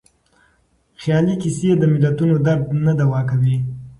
خیالي کيسې د ملتونو درد نه دوا کوي.